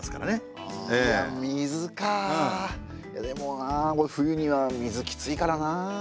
でもなあ冬には水きついからな。